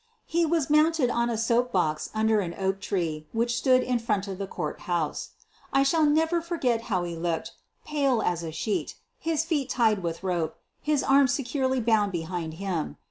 He was mounted on a soap box under an oak tree which stood in front of the court house. I shall never forget how he looked — pale as a sheet, his feet tied with rope, his arms securely bound behind him.